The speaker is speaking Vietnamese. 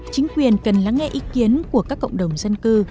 chính quyền cần lắng nghe ý kiến của các cộng đồng dân cư